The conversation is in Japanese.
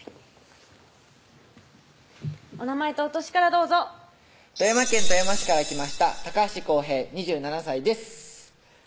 お名前とお歳からどうぞ富山県富山市から来ました高橋晃平２７歳です